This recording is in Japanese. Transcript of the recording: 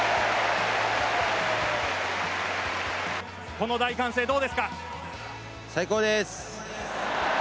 この大歓声、どうですか。